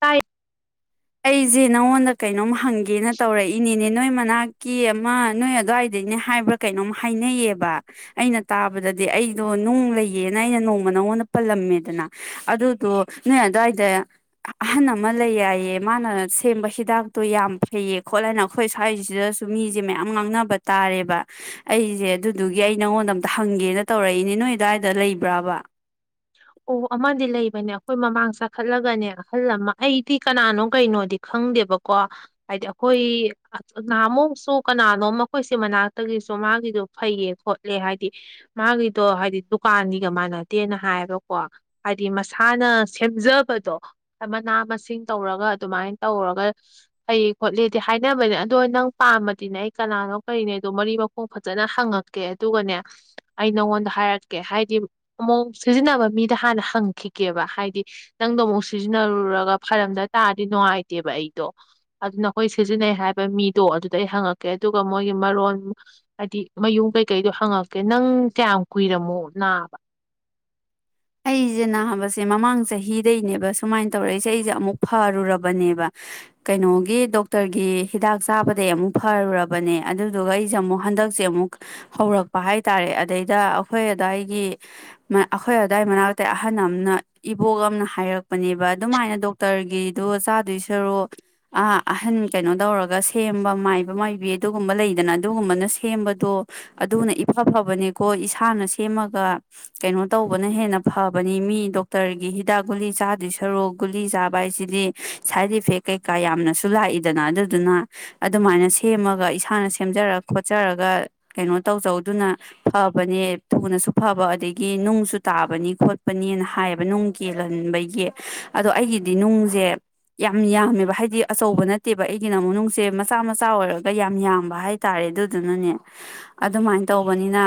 ꯇꯥꯏ ꯑꯩꯁꯦ ꯅꯉꯣꯟꯗ ꯀꯩꯅꯣꯝ ꯍꯪꯒꯦꯅ ꯇꯧꯔꯛꯏꯅꯤꯅꯦ ꯅꯣꯏ ꯃꯅꯥꯛꯀꯤ ꯑꯃ ꯅꯣꯏ ꯑꯗꯨꯋꯥꯏꯗꯩꯅꯦ ꯍꯥꯏꯕ꯭ꯔꯥ ꯀꯩꯅꯣꯝ ꯍꯥꯏꯅꯩꯌꯦꯕ ꯑꯩꯅ ꯇꯥꯕꯗꯗꯤ ꯑꯩꯗꯣ ꯅꯨꯡ ꯂꯩꯌꯦꯅ ꯑꯩꯅ ꯅꯣꯡꯃ ꯅꯉꯣꯟꯗ ꯄꯜꯂꯝꯃꯦꯗꯅ ꯑꯗꯨꯗꯣ ꯅꯣꯏ ꯑꯗꯨꯋꯥꯏꯗ ꯑꯍꯟ ꯑꯃ ꯂꯩ ꯍꯥꯏꯏꯌꯦꯕ ꯃꯥꯅ ꯁꯦꯝꯕ ꯍꯤꯗꯥꯛꯇꯣ ꯌꯥꯝ ꯐꯩꯌꯦ ꯈꯣꯠꯂꯦꯅ ꯑꯩꯈꯣꯏ ꯁ꯭ꯋꯥꯏꯁꯤꯗꯁꯨ ꯃꯤꯁꯦ ꯃꯌꯥꯝ ꯉꯥꯡꯅꯕ ꯇꯥꯔꯦꯕ ꯑꯩꯁꯦ ꯑꯗꯨꯗꯨꯒꯤ ꯑꯩ ꯅꯉꯣꯟꯗ ꯑꯝꯇ ꯍꯪꯒꯦꯅ ꯇꯧꯔꯛꯏꯅꯦ ꯅꯣꯏ ꯑꯗꯨ꯭ꯋꯥꯏꯗ ꯂꯩꯕ꯭ꯔꯥꯕ ꯑꯣ ꯑꯃꯗꯤ ꯂꯩꯕꯅꯦ ꯑꯩꯈꯣꯏ ꯃꯃꯥꯡ ꯆꯈꯠꯂꯒꯅꯦ ꯑꯍꯜ ꯑꯃ ꯑꯩꯗꯤ ꯀꯅꯥꯅꯣ ꯀꯩꯅꯣꯗꯤ ꯈꯪꯗꯦꯕꯀꯣ ꯍꯥꯏꯗꯤ ꯑꯩꯈꯣꯏ ꯅꯍꯥꯃꯨꯛꯁꯨ ꯀꯅꯥꯅꯣ ꯃꯈꯣꯏꯁꯦ ꯃꯅꯥꯛꯇꯒꯤꯁꯨ ꯃꯥꯒꯤꯗꯣ ꯐꯩꯌꯦ ꯈꯣꯠꯂꯦ ꯍꯥꯏꯗꯤ ꯃꯥꯒꯤꯗꯣ ꯍꯥꯏꯗꯤ ꯗꯨꯀꯥꯟꯒꯤꯒ ꯃꯥꯟꯅꯗꯦꯅ ꯍꯥꯏꯕꯀꯣ ꯍꯥꯏꯗꯤ ꯃꯁꯥꯅ ꯁꯦꯝꯖꯕꯗꯣ ꯃꯅꯥ ꯃꯁꯤꯡ ꯇꯧꯔꯒ ꯑꯗꯨꯃꯥꯏꯅ ꯇꯧꯔꯒ ꯐꯩ ꯈꯣꯠꯂꯤꯦꯗꯤ ꯍꯥꯏꯅꯕꯅꯦ ꯑꯗꯣ ꯅꯪ ꯄꯥꯃꯗꯤꯅꯦ ꯑꯩ ꯀꯅꯥꯅꯣ ꯀꯔꯤꯅꯦ ꯑꯗꯣ ꯃꯔꯤ ꯃꯈꯣꯡ ꯐꯖꯅ ꯍꯪꯉꯛꯀꯦ ꯑꯗꯨꯒꯅꯦ ꯑꯩ ꯅꯪꯉꯣꯟꯗ ꯍꯥꯏꯔꯛꯀꯦ ꯍꯥꯏꯗꯤ ꯑꯃ ꯁꯤꯖꯤꯟꯅꯕ ꯃꯤꯗ ꯍꯥꯟꯅ ꯍꯪꯈꯤꯒꯦꯕ ꯍꯥꯏꯗꯤ ꯅꯪꯗꯣ ꯑꯃꯨꯛ ꯁꯤꯖꯤꯟꯅꯔꯨꯔꯒ ꯐꯔꯝꯗ ꯇꯥꯔꯗꯤ ꯅꯨꯡꯉꯥꯏꯇꯦꯕ ꯑꯩꯗꯣ ꯑꯗꯨꯅ ꯍꯈꯣꯏ ꯁꯤꯖꯤꯟꯅꯩ ꯍꯥꯏꯕ ꯃꯤꯗꯣ ꯑꯗꯨꯗ ꯑꯩ ꯍꯪꯉꯛꯀꯦ ꯑꯗꯨꯒ ꯃꯣꯏꯒꯤ ꯃꯔꯣꯟ ꯍꯥꯏꯗꯤ ꯃꯌꯨꯝ ꯀꯩꯀꯩꯗꯣ ꯍꯪꯉꯛꯀꯦ ꯅꯪ ꯀꯌꯥꯝ ꯀꯨꯏꯔꯝꯃꯣ ꯅꯥꯕ ꯑꯩꯁꯦ ꯅꯥꯕꯁꯦ ꯃꯃꯥꯡ ꯆꯍꯤꯗꯩꯅꯦꯕ ꯁꯨꯃꯥꯏꯅ ꯇꯧꯔꯛꯏꯁꯦ ꯑꯩꯁꯦ ꯑꯃꯨꯛ ꯐꯔꯨꯔꯕꯅꯦꯕ ꯀꯩꯅꯣꯒꯤ ꯗꯣꯛꯇꯔꯒꯤ ꯍꯤꯗꯥꯛ ꯆꯥꯕꯗꯒꯤꯩ ꯑꯃꯨꯛ ꯐꯔꯨꯔꯕꯅꯦ ꯑꯗꯨꯗꯨꯒ ꯑꯩꯁꯦ ꯑꯃꯨꯛ ꯍꯟꯗꯛꯁꯦ ꯑꯃꯨꯛ ꯍꯧꯔꯛꯄ ꯍꯥꯏꯇꯥꯔꯦ ꯑꯗꯩꯗ ꯑꯩꯈꯣꯏ ꯑꯗꯥꯋꯥꯏꯒꯤ ꯑꯩꯈꯣꯏ ꯑꯗꯨꯗꯥꯏ ꯃꯅꯥꯛꯇ ꯑꯍꯟ ꯑꯃꯅ ꯏꯕꯣꯛ ꯑꯃꯅ ꯍꯥꯏꯔꯛꯄꯅꯦꯕ ꯑꯗꯨꯃꯥꯏꯅ ꯗꯣꯛꯇꯔꯒꯤꯗꯨꯣ ꯆꯥꯗꯣꯏ ꯁꯔꯣ ꯑ ꯑꯍꯟ ꯀꯩꯅꯣ ꯇꯧꯔꯒ ꯁꯦꯝꯕ ꯃꯥꯏꯕ ꯃꯥꯏꯕꯤ ꯑꯗꯨꯒꯨꯝꯕ ꯂꯩꯗꯅ ꯑꯗꯨꯒꯨꯝꯕꯅ ꯁꯦꯝꯕꯗꯣ ꯑꯗꯨꯅ ꯏꯐ ꯐꯕꯅꯦꯀꯣ ꯏꯁꯥꯅ ꯁꯦꯝꯃꯒ ꯀꯩꯅꯣ ꯇꯧ ꯇꯧꯕꯅ ꯍꯦꯟꯅ ꯐꯕꯅꯤ ꯃꯤ ꯗꯣꯛꯇꯔꯒꯤ ꯍꯤꯗꯥꯛ ꯒꯨꯂꯤ ꯆꯥꯗꯣꯏ ꯁꯔꯨ ꯒꯨꯂꯤ ꯆꯥꯕ ꯍꯥꯏꯁꯤꯗꯤ ꯁꯥꯏꯠ ꯏꯐꯦꯛ ꯀꯩꯀꯥ ꯌꯥꯝꯅꯁꯨ ꯂꯥꯛꯏꯗꯅ ꯑꯗꯨꯗꯨꯅ ꯑꯗꯨꯃꯥꯏꯅ ꯁꯦꯝꯃꯒ ꯏꯁꯥꯅ ꯁꯦꯝꯖꯔ ꯈꯣꯠꯆꯔꯒ ꯀꯩꯅꯣ ꯇꯧꯖꯧꯗꯨꯅ ꯐꯕꯅꯦ ꯊꯨꯅꯁꯨ ꯐꯕ ꯑꯗꯒꯤ ꯅꯨꯡꯁꯨ ꯇꯥꯕꯅꯤ ꯈꯣꯠꯄꯅꯤꯅ ꯍꯥꯏꯌꯦꯕ ꯅꯨꯡ ꯀꯦꯜꯍꯟꯕꯒꯤ ꯑꯗꯣ ꯑꯩꯒꯤꯗꯤ ꯅꯨꯡꯁꯦ ꯌꯥꯝ ꯌꯥꯝꯃꯦꯕ ꯍꯥꯏꯗꯤ ꯑꯆꯧꯕ ꯅꯠꯇꯦꯕ ꯑꯩꯒꯤ ꯅꯃꯅꯨꯡꯁꯦ ꯃꯆꯥ ꯃꯆꯥ ꯑꯣꯏꯔꯒ ꯌꯥꯝ ꯌꯥꯝꯕ ꯍꯥꯏꯇꯥꯔꯦ ꯑꯗꯨꯗꯨꯅꯅꯦ ꯑꯗꯨꯃꯥꯏꯅ ꯇꯧꯕꯅꯤꯅ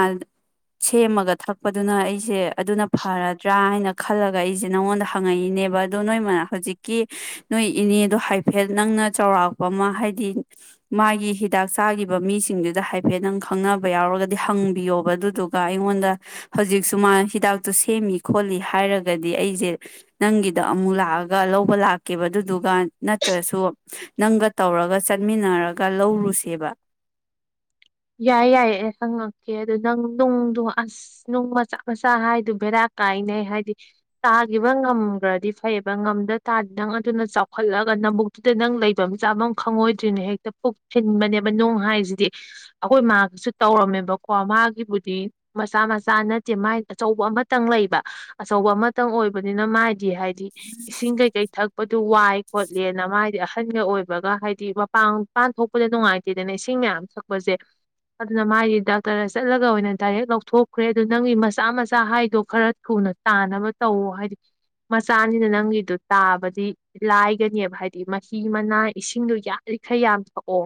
ꯁꯦꯝꯃꯒ ꯊꯛꯄꯗꯨꯅ ꯑꯩꯁꯦ ꯑꯗꯨꯅ ꯐꯔꯗ꯭ꯔꯥ ꯍꯥꯏꯅ ꯈꯜꯂꯒ ꯑꯩꯁꯦ ꯅꯪꯉꯣꯟꯗ ꯍꯪꯉꯛꯏꯅꯦꯕ ꯑꯗꯣ ꯅꯣꯏ ꯃ ꯍꯧꯖꯤꯛꯀꯤ ꯅꯣꯏ ꯏꯅꯦꯗꯣ ꯍꯥꯏꯐꯦꯠ ꯅꯪꯅ ꯆꯥꯎꯔꯥꯛꯄ ꯑꯃ ꯍꯥꯏꯗꯤ ꯃꯥꯒꯤ ꯍꯤꯗꯥꯛ ꯆꯥꯈꯤꯕ ꯃꯤꯁꯤꯡꯗꯨꯗ ꯍꯥꯏꯐꯦꯠ ꯅꯪ ꯈꯪꯅꯕ ꯌꯥꯎꯔꯒꯗꯤ ꯍꯪꯕꯤꯌꯣꯕ ꯑꯗꯨꯗꯨꯒ ꯑꯩꯉꯣꯟꯗ ꯍꯧꯖꯤꯛꯁꯨ ꯃꯥ ꯍꯤꯗꯥꯛꯇꯨ ꯁꯦꯝꯃꯤ ꯈꯣꯠꯂꯤ ꯍꯥꯏꯔꯒꯗꯤ ꯑꯩꯁꯦ ꯅꯪꯒꯤꯗ ꯑꯃꯨꯛ ꯂꯥꯛꯑꯒ ꯂꯧꯕ ꯂꯥꯛꯀꯦꯕ ꯑꯗꯨꯗꯨꯒ ꯅꯠꯇ꯭ꯔꯁꯨ ꯅꯪꯒ ꯇꯧꯔꯒ ꯆꯠꯃꯤꯟꯅꯔꯒ ꯂꯧꯔꯨꯁꯦꯕ ꯌꯥꯏ ꯌꯥꯏꯌꯦ ꯑꯩ ꯈꯪꯉꯛꯀꯦ ꯑꯗꯨꯗ ꯅꯪ ꯅꯨꯡꯗꯣ ꯑꯁ ꯅꯨꯡ ꯃꯆꯥ ꯃꯆꯥ ꯍꯥꯏꯗꯨ ꯚꯦꯔꯥ ꯀꯥꯏꯅꯩ ꯍꯥꯏꯗꯤ ꯇꯥꯈꯤꯕ ꯉꯝꯈ꯭ꯔꯗꯤ ꯐꯩꯌꯦꯕ ꯉꯝꯗ ꯇꯥꯔꯗꯤ ꯅꯪ ꯑꯗꯨꯅ ꯆꯥꯎꯈꯠꯂꯒ ꯅꯕꯨꯛꯇꯨꯗ ꯅꯪ ꯂꯩꯕ ꯃꯆꯥ ꯑꯃ ꯈꯪꯉꯣꯏꯗ꯭ꯔꯤꯅꯣ ꯍꯦꯛꯇ ꯄꯨꯛ ꯊꯤꯟꯕꯅꯦꯕ ꯅꯨꯡ ꯍꯥꯏꯁꯤꯗꯤ ꯑꯩꯈꯣꯏ ꯃꯥꯒꯁꯨ ꯇꯧꯔꯝꯃꯦꯕꯀꯣ ꯃꯥꯒꯤꯕꯨꯗꯤ ꯃꯆꯥ ꯃꯆꯥ ꯅꯠꯇꯦ ꯃꯥꯥꯏ ꯑꯆꯧꯕ ꯑꯃꯇꯪ ꯂꯩꯕ ꯑꯆꯧꯕ ꯑꯃꯇꯪ ꯑꯣꯏꯕꯅꯤꯅ ꯃꯥꯗꯤ ꯍꯥꯏꯗꯤ ꯏꯁꯤꯡ ꯀꯩꯀꯩ ꯊꯛꯄꯗꯨ ꯋꯥꯏ ꯈꯣꯠꯂꯦꯅ ꯃꯥꯗꯤ ꯑꯍꯟꯒ ꯑꯣꯏꯕꯒ ꯍꯥꯏꯗꯤ ꯃꯄꯥꯟꯄꯥꯟ ꯊꯣꯛꯄꯗ ꯅꯨꯡꯉꯥꯏꯇꯦꯗꯅ ꯏꯁꯤꯡ ꯃꯌꯥꯝ ꯊꯛꯄꯁꯦ ꯑꯗꯨꯅ ꯃꯥꯗꯤ ꯗꯥꯛꯇꯔꯗ ꯆꯠꯂꯒ ꯑꯣꯏꯅ ꯗꯥꯏꯔꯦꯛ ꯂꯧꯊꯣꯛꯈ꯭ꯔꯦ ꯑꯗꯨ ꯅꯪꯒꯤ ꯃꯆꯥ ꯃꯆꯥ ꯍꯥꯏꯗꯣ ꯈꯔ ꯊꯨꯅ ꯇꯥꯅꯕ ꯇꯧꯋ ꯍꯥꯏꯗꯤ ꯃꯆꯥꯅꯤꯅ ꯅꯪꯒꯤꯗꯣ ꯇꯥꯕꯗꯤ ꯂꯥꯏꯒꯅꯦꯕ ꯍꯥꯏꯗꯤ ꯃꯍꯤ ꯃꯅꯥ ꯏꯁꯤꯡꯗꯣ ꯌꯥꯂꯤꯈꯩ ꯌꯥꯝ ꯊꯛꯑꯣ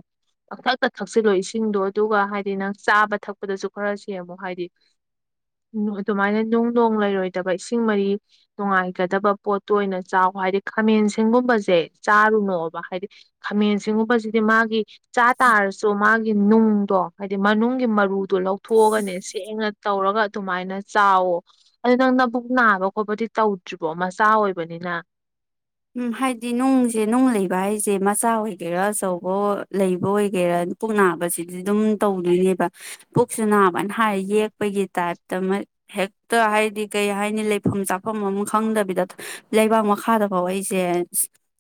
ꯄꯊꯛꯛꯇꯛ ꯊꯛꯁꯤꯜꯂꯣ ꯏꯁꯤꯡꯗꯣ ꯑꯗꯨꯒ ꯍꯥꯏꯗꯤ ꯅꯪ ꯆꯥꯕ ꯊꯛꯄꯗꯁꯨ ꯈꯔꯁꯦ ꯑꯃꯨꯛ ꯍꯥꯏꯗꯤ ꯑꯗꯨꯃꯥꯏꯅ ꯅꯨꯡ ꯅꯨꯡ ꯂꯩꯔꯣꯏꯗꯕ ꯏꯁꯤꯡ ꯃꯔꯤ ꯅꯨꯡꯉꯥꯏꯒꯗꯕ ꯄꯣꯠꯇꯣ ꯑꯣꯏꯅ ꯆꯥꯎ ꯍꯥꯏꯗꯤ ꯈꯥꯃꯦꯟ ꯒꯨꯝꯕꯁꯦ ꯆꯥꯔꯨꯅꯣꯕ ꯍꯥꯏꯗꯤ ꯈꯥꯃꯦꯟ ꯒꯨꯝꯕꯁꯤꯗꯤ ꯃꯥꯒꯤ ꯆ ꯇꯥꯔ ꯁꯣ ꯃꯥ ꯏꯨꯝ ꯇ ꯣ ꯍꯥꯏꯗꯤ ꯃꯅꯨꯡꯒꯤ ꯃꯔꯨ ꯑꯗꯨ ꯂꯧꯊꯣꯛꯑꯒꯅꯦ ꯁꯦꯡꯅ ꯇꯧꯔꯒ ꯑꯗꯨꯃꯥꯏꯅ ꯆꯥꯎꯋꯣ ꯑꯗꯨ ꯅꯪ ꯅꯕꯨꯛ ꯅꯥꯕ ꯈꯣꯠꯄꯗꯤ ꯇꯧꯗ꯭ꯔꯤꯕꯣ ꯃꯆꯥ ꯑꯣꯏꯕꯅꯤꯅ ꯎꯝ ꯍꯥꯏꯗꯤ ꯅꯨꯡꯁꯦ ꯅꯨꯡ ꯂꯩꯕ ꯍꯥꯏꯁꯦ ꯃꯁ ꯆꯥ ꯑꯣꯏꯒꯦꯔꯥ ꯆꯆꯧꯕꯣ ꯂꯩꯕ ꯑꯣꯏꯒꯦꯔꯥ ꯄꯨꯛ ꯅꯥꯕꯁꯤꯗꯤ ꯑꯗꯨꯝ ꯇꯧꯗꯣꯏꯅꯦꯕ ꯄꯨꯛꯁꯨ ꯅꯥꯕꯅ ꯍꯥꯏ ꯌꯦꯛꯄꯒꯤ ꯇꯥꯏꯞꯇ ꯍꯦꯛꯇ ꯍꯥꯏꯗꯤ ꯀꯩ ꯍꯥꯏꯅꯤ ꯂꯩꯐꯝ ꯆꯥꯐꯝ ꯑꯃ ꯈꯪꯗꯕꯤꯗ ꯂꯩꯕꯥꯛ ꯃꯈꯥꯗ ꯐꯧ ꯑꯩꯁꯦ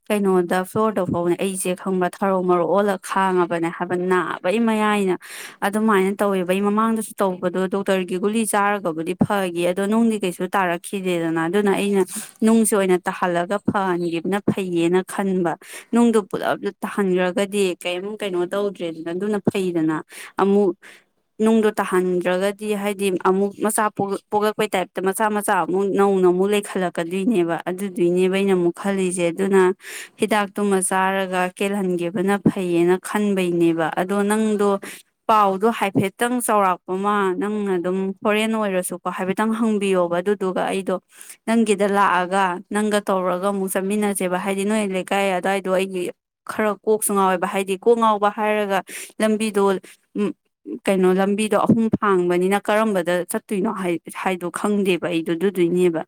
ꯀꯩꯅꯣꯗ ꯐ꯭ꯂꯣꯔꯗ ꯐꯥꯎꯅꯦ ꯑꯩꯁꯦ ꯈꯪꯕ ꯊꯔꯧ ꯃꯔꯣꯛ ꯑꯣꯜꯂꯒ ꯈꯥꯡꯉꯕꯅꯦ ꯍꯥꯏꯕ ꯅꯥꯕꯩ ꯃꯌꯥꯏꯅ ꯑꯗꯨꯃꯥꯏꯅ ꯇꯧꯋꯦꯕ ꯑꯩ ꯃꯃꯥꯡꯗꯁꯨ ꯇꯧꯕꯗꯣ ꯗꯣꯛꯇꯔꯒꯤ ꯒꯨꯂꯤ ꯆꯥꯔꯒꯕꯨꯗꯤ ꯐꯈꯤ ꯑꯗꯣ ꯅꯨꯡꯗꯤ ꯀꯩꯁꯨ ꯇꯥꯔꯛꯈꯤꯗꯦꯗꯅ ꯑꯗꯨꯅ ꯑꯩꯅ ꯅꯨꯡꯁꯦ ꯑꯣꯏꯅ ꯇꯥꯍꯜꯂꯒ ꯐꯍꯟꯈꯤꯕꯕꯅ ꯐꯩꯌꯦꯅ ꯈꯟꯕ ꯅꯨꯡꯗꯣ ꯄꯨꯜꯂꯞ ꯄꯨꯂꯞ ꯇꯥꯍꯟꯈ꯭ꯔꯒꯗꯤ ꯀꯔꯤꯝ ꯀꯩꯅꯣ ꯇꯧꯗ꯭ꯔꯦꯗꯅ ꯑꯗꯨꯅ ꯐꯩꯗꯅ ꯑꯃꯨꯛ ꯅꯨꯡꯗꯣ ꯇꯥꯍꯟꯗ꯭ꯔꯒꯗꯤ ꯍꯥꯏꯗꯤ ꯑꯃꯨꯛ ꯃꯆꯥ ꯄꯣꯛꯂꯛꯄꯩ ꯇꯥꯏꯞꯇ ꯃꯆꯥ ꯃꯆꯥ ꯑꯃꯨꯛ ꯅꯧꯅ ꯑꯃꯨꯛ ꯂꯩꯈꯠꯂꯛꯀꯗꯣꯏꯅꯦꯕ ꯑꯗꯨꯗꯨꯏꯅꯦꯕ ꯩꯅ ꯑꯃꯨꯛ ꯈꯜꯂꯤꯁꯦ ꯑꯗꯨꯅ ꯍꯤꯗꯥꯛꯇꯨꯃ ꯆꯥꯔꯒ ꯀꯦꯜꯍꯟꯒꯦꯕꯅ ꯐꯩꯌꯦꯅ ꯈꯟꯕꯩꯅꯦꯕ ꯑꯗꯣ ꯅꯪꯗꯣ ꯄꯥꯎꯗꯣ ꯍꯥꯏꯐꯦꯠꯇꯪ ꯆꯥꯎꯔꯥꯛꯄ ꯑꯃ ꯅꯪꯅ ꯑꯗꯨꯝ ꯐꯣꯔꯦꯟ ꯑꯣꯏꯔꯁꯨꯀꯣ ꯍꯥꯏꯐꯦꯠꯇꯪ ꯍꯪꯕꯤꯌꯣꯕ ꯑꯗꯨꯗꯨꯒ ꯑꯩꯗꯣ ꯅꯪꯒꯤꯗ ꯂꯥꯛꯑꯒ ꯅꯪꯒ ꯇꯧꯔꯒ ꯑꯃꯨꯛ ꯆꯠꯃꯤꯟꯅꯁꯦꯕ ꯍꯥꯏꯗꯤ ꯅꯣꯏ ꯂꯩꯀꯥꯏ ꯑꯗꯨꯋꯥꯏꯗꯣ ꯑꯩꯒꯤ ꯈꯔ ꯀꯣꯛꯁꯨ ꯉꯥꯎꯋꯦꯕ ꯍꯥꯏꯗꯤ ꯀꯣꯛ ꯉꯥꯎꯕ ꯍꯥꯏꯔꯒ ꯂꯝꯕꯤꯗꯣ ꯎ ꯀꯩꯅꯣ ꯂꯝꯕꯤꯗꯣ ꯑꯍꯨꯝ ꯐꯥꯡꯕꯅꯤꯅ ꯀꯔꯝꯕꯗ ꯆꯠꯇꯣꯏꯅꯣ ꯍꯥꯏꯗꯣ ꯈꯪꯗꯦꯕ ꯑꯩꯗꯣ ꯑꯗꯨꯗꯨꯏꯅꯦꯕ